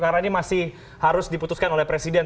karena ini masih harus diputuskan oleh presiden